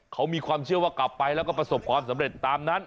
เขามีความเชื่อว่ากลับไปแล้วก็ประสบความสำเร็จตามนั้น